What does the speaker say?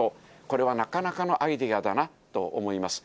これはなかなかのアイデアだなと思います。